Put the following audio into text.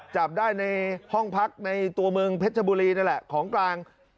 จับได้ในห้องพักในตัวเมืองเพชรบุรีนั่นแหละของกลาง